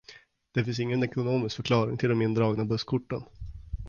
Det finns ingen ekonomisk förklaring till de indragna busskorten.